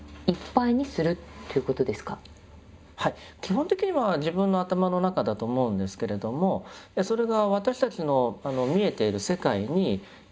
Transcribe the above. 基本的には自分の頭の中だと思うんですけれどもそれが私たちの見えている世界に遍満していると。